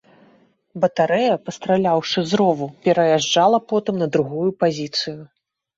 Батарэя, пастраляўшы з рову, пераязджала потым на другую пазіцыю.